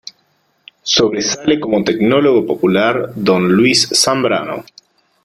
Sobresale como Tecnólogo Popular Don Luis Zambrano.